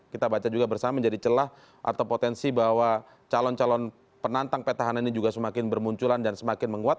kita baca juga bersama menjadi celah atau potensi bahwa calon calon penantang petahana ini juga semakin bermunculan dan semakin menguat